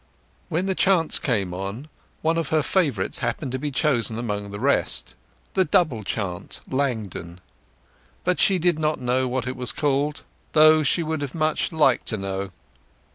When the chants came on, one of her favourites happened to be chosen among the rest—the old double chant "Langdon"—but she did not know what it was called, though she would much have liked to know.